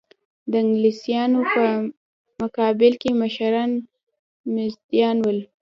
د انګلیسیانو په مقابل کې مشران مریدان ول.